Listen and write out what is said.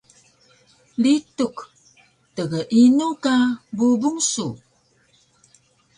Lituk: Tgeinu ka bubung su?